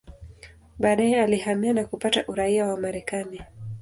Baadaye alihamia na kupata uraia wa Marekani.